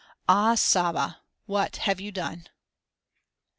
Ah, Saba! what have you done?